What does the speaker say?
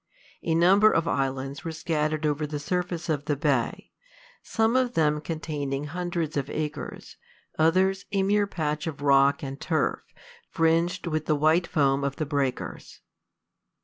A number of islands were scattered over the surface of the bay, some of them containing hundreds of acres; others, a mere patch of rock and turf, fringed with the white foam of the breakers.